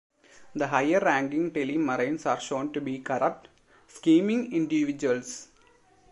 The high-ranking Telmarines are shown to be corrupt, scheming individuals.